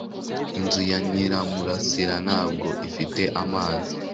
Inzu ya Nyiramurasira ntabwo ifite amazi.